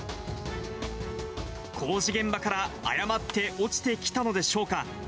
工事現場から誤って落ちてきたのでしょうか。